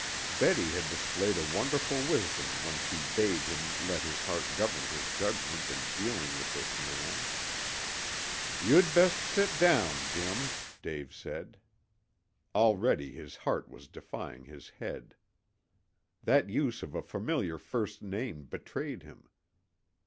Betty had displayed a wonderful wisdom when she bade him let his heart govern his judgment in dealing with this man. "You'd best sit down Jim," Dave said. Already his heart was defying his head. That use of a familiar first name betrayed him.